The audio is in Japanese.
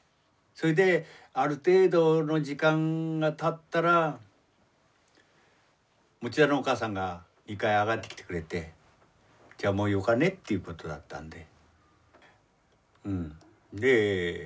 それである程度の時間がたったら田のお母さんが２階へ上がってきてくれて「じゃあもうよかね」っていうことだったんで。